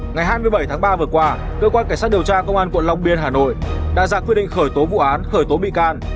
ngày hai mươi bảy tháng ba vừa qua cơ quan cảnh sát điều tra công an quận long biên hà nội đã ra quyết định khởi tố vụ án khởi tố bị can